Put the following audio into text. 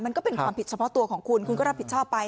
ก็เป็นความผิดเฉพาะตัวของคุณคุณก็รับผิดชอบไป